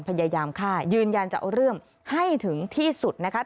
พยายามฆ่ายืนยันจะเอาเรื่องให้ถึงที่สุดนะคะ